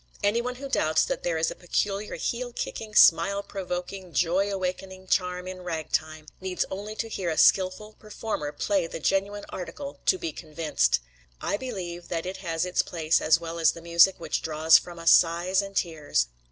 Anyone who doubts that there is a peculiar heel tickling, smile provoking, joy awakening charm in ragtime needs only to hear a skillful performer play the genuine article to be convinced. I believe that it has its place as well as the music which draws from us sighs and tears.